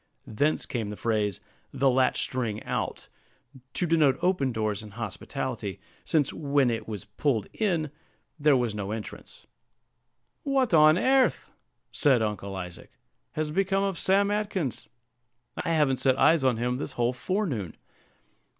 Thence came the phrase, "the latch string out," to denote open doors and hospitality; since, when it was pulled in there was no entrance. "What on airth," said Uncle Isaac, "has become of Sam Atkins? I haven't set eyes on him this whole forenoon."